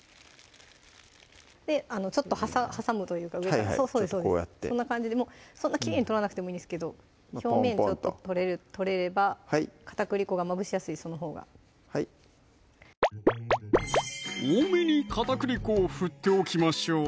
はいちょっと挟むというか上からそうですそんな感じでもうそんなきれいに取らなくてもいいんですけど表面ちょっと取れれば片栗粉がまぶしやすいそのほうがはい多めに片栗粉を振っておきましょう